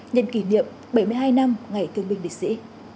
nhân kỷ niệm bảy mươi hai năm ngày thương binh liệt sĩ